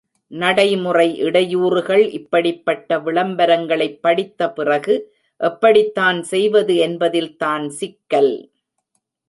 நடைமுறை இடையூறுகள் இப்படிப்பட்ட விளம்பரங்களைப் படித்த பிறகு, எப்படித்தான் செய்வது என்பதில் தான் சிக்கல்.